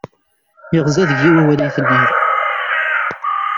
Yeɣza deg-i wawal iyi-tenniḍ.